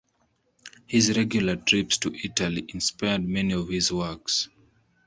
His regular trips to Italy inspired many of his works.